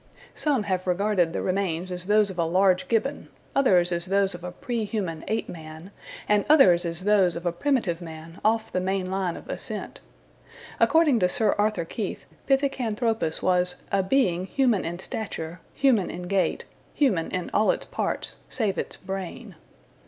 Some have regarded the remains as those of a large gibbon, others as those of a pre human ape man, and others as those of a primitive man off the main line of ascent. According to Sir Arthur Keith, Pithecanthropus was "a being human in stature, human in gait, human in all its parts, save its brain."